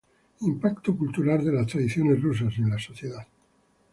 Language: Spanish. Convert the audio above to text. Impacto cultural de las tradiciones rusas en la sociedad